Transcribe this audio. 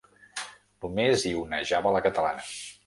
Només hi onejava la catalana.